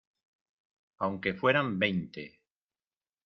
aunque fueran veinte